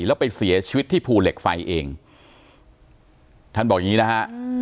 แล้วไปเสียชีวิตที่ภูเหล็กไฟเองท่านบอกอย่างงี้นะฮะ